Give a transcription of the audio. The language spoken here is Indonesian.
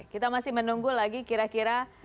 kita masih menunggu lagi kira kira